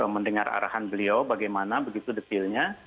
mendengar arahan beliau bagaimana begitu detailnya